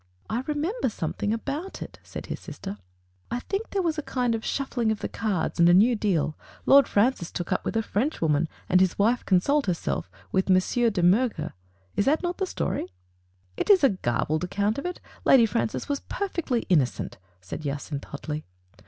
"I remember something about it," said his sis ter. "I think there was a kind of shuffling of the cards and a new deal. Lord Francis took up with a Frenchwoman and his wife consoled herself with M. de Miirger. Is not that the story?" "It is a garbled account of it. Lady Francis was perfectly innocent," said Jacynth hotly.